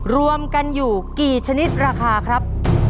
รวมกันอยู่กี่ชนิดราคาครับ